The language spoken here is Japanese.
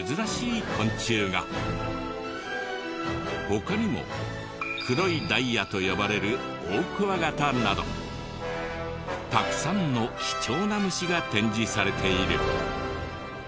他にも黒いダイヤと呼ばれるオオクワガタなどたくさんの貴重な虫が展示されている。